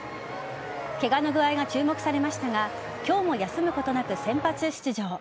ケガの具合が注目されましたが今日も休むことなく先発出場。